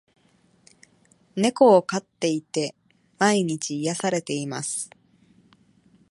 猫を飼っていて、毎日癒されています。